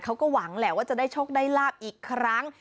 เขาก็หวังแหละว่าจะได้โชคได้ลาบอีกครั้ง